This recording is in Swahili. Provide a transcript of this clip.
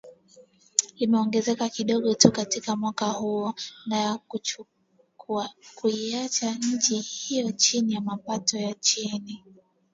Limeongezeka kidogo tu katika mwaka huo, na kuiacha nchi hiyo chini ya mapato ya chini